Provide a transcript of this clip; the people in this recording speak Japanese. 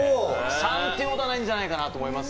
３ってことはないんじゃないかなと思います。